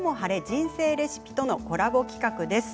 人生レシピ」とのコラボ企画です。